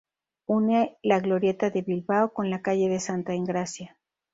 Une la Glorieta de Bilbao con la calle de Santa Engracia.